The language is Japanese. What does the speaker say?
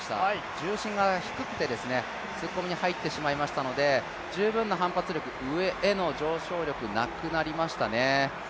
重心が低くて突っ込みに入ってしまいましたので十分な反発力、上への上昇力、なくなりましたね。